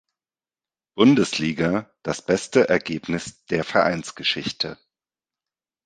Bundesliga das beste Ergebnis der Vereinsgeschichte.